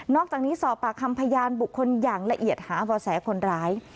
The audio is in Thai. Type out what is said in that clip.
อกจากนี้สอบปากคำพยานบุคคลอย่างละเอียดหาบ่อแสคนร้าย